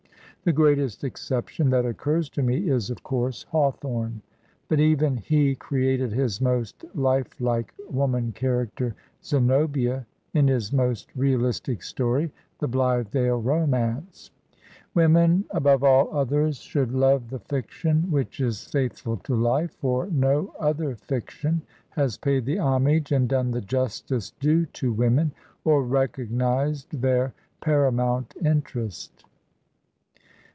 The greatest exception that occurs to me is, of course, Hawthorne; but even he created his most lifeUke wom an character, Zenobia, in his most realistic story, "The Blithedale Romance." Women, above all others, should love the fiction which is faithful to life, for no ^« 113 Digitized by VjOOQIC HEROINES OF FICTION other fiction has paid the homage and done the justice due to women, or recognized their paramount .interest.